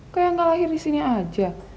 kayak gak lahir disini aja